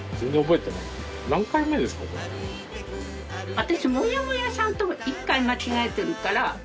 私『モヤモヤ』さんと１回間違えてるから。